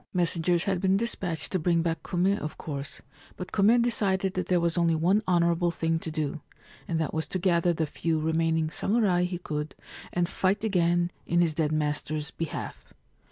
Messengers had been despatched to bring back Kume, of course ; but Kume decided that there was only one honourable thing to do, and that was to gather the few remaining samurai he could and fight again in his dead master's behalf.